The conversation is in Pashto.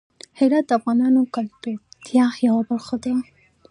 هرات د افغانانو د ګټورتیا یوه برخه ده.